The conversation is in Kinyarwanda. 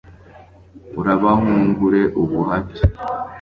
Urabahungure ubuhake